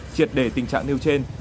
triệt đề tình trạng nêu trên